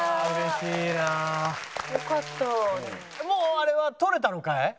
もうあれは取れたのかい？